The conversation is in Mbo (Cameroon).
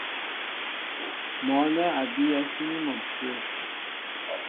Mɔ̌ nɛ́ a bíyɛ́ síní mɔ ǹshyə̂.